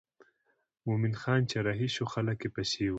مومن خان چې رهي شو خلک یې پسې وو.